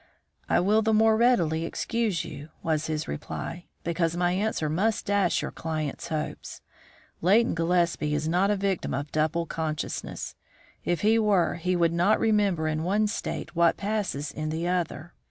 "I will the more readily excuse you," was his reply, "because my answer must dash your client's hopes. Leighton Gillespie is not a victim of double consciousness. If he were, he would not remember in one state what passes in the other.